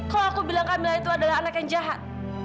kok aku bilang kamila itu adalah anak yang jahat